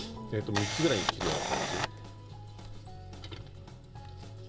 ３つぐらいに切るような感じ。